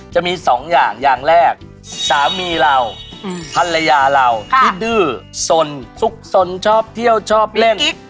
จะมีสองอย่างอย่างแรกสามีเราภรรยาเราที่ดื้อสนสุขสนชอบเที่ยวชอบเล่น